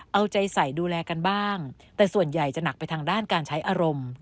เอาใจใส่ดูแลกันบ้างแต่ส่วนใหญ่จะหนักไปทางด้านการใช้อารมณ์